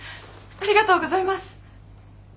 ありがとうございます！